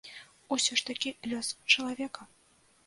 Усё ж такі лёс чалавека.